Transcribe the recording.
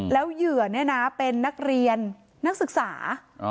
แล้วเหยื่อเนี่ยนะเป็นนักเรียนนักศึกษา